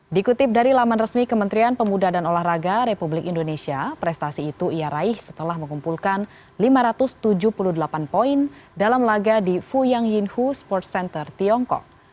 dikutip dari laman resmi kementerian pemuda dan olahraga republik indonesia prestasi itu ia raih setelah mengumpulkan lima ratus tujuh puluh delapan poin dalam laga di fuyang yinhu sports center tiongkok